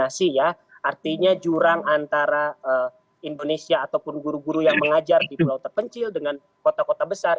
artinya jurang antara indonesia ataupun guru guru yang mengajar di pulau terpencil dengan kota kota besar